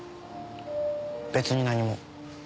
別に何も。